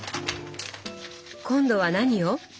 今度は何を？